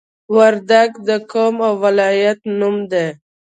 وردګ د قوم او ولایت نوم دی